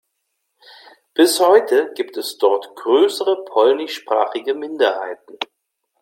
Bis heute gibt es dort größere polnischsprachige Minderheiten.